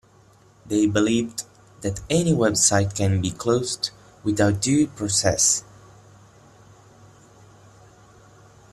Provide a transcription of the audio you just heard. They believed that any website can be closed without due process.